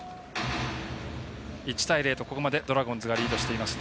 １対０、ここまでドラゴンズがリードしています。